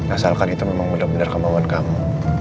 asalkan itu memang benar benar kemauan kamu